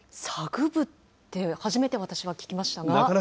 サグ部って初めて私は聞きましたが。